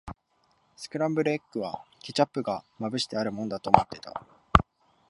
スクランブルエッグは、ケチャップがまぶしてあるもんだと思ってた。